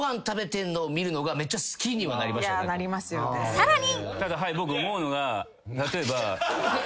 ［さらに］